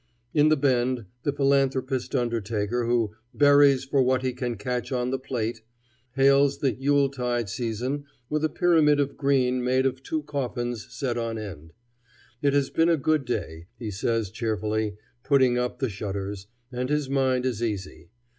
In "the Bend" the philanthropist undertaker who "buries for what he can catch on the plate" hails the Yule tide season with a pyramid of green made of two coffins set on end. It has been a good day, he says cheerfully, putting up the shutters; and his mind is easy.